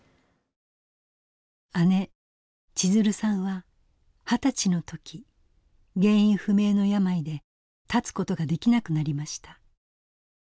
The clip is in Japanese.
姉千鶴さんは二十歳の時原因不明の病で立つことができなくなりました。